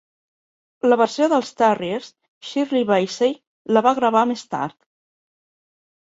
La versió dels Tarriers, Shirley Bassey la va gravar més tard.